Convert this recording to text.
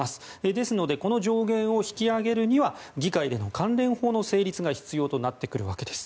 ですのでこの上限を引き上げるには議会での関連法の成立が必要となってくるわけです。